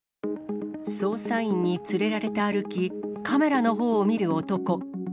捜査員に連れられて歩き、カメラのほうを見る男。